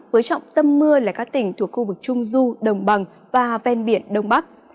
với trọng tâm mưa là các tỉnh thuộc khu vực trung du đồng bằng và ven biển đông bắc